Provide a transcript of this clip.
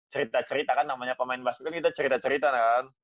cerita cerita kan namanya pemain basket kita cerita cerita kan